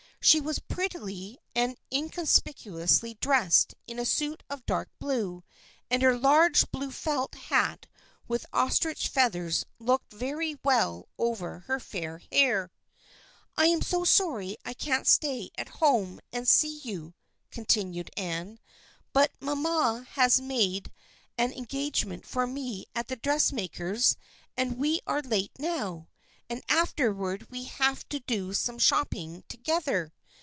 She was prettily and in conspicuously dressed in a suit of dark blue, and her large blue felt hat with ostrich feathers looked very well over her fair hair. " I am so sorry I can't stay at home and see you," continued Anne, " but mamma has made an engagement for me at the dressmaker's and we are late now, and afterward we have to do some shop ping together.